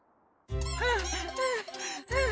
はあはあはあ。